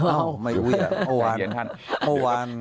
อ้าวไม่อุ้ยอ่ะเมื่อวาน